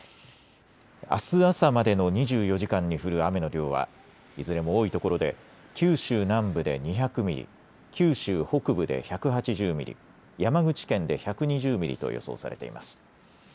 あす朝までの２４時間に降る雨の量はいずれも多いところで九州南部で２００ミリ、九州北部で１８０ミリ、山口県で１２０ミリと予想されています。